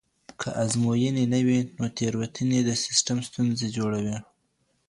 که ازموینې نه وي نو تېروتنې د سیسټم ستونزې جوړوي.